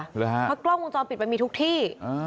เพราะกล้องมุมจอมปิดไปมีทุกที่